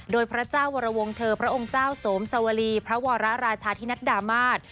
โดยพระเจ้าวรวงเธอพระองค์เจ้าสวมสวรีพระวรราชาธินัดดามาศ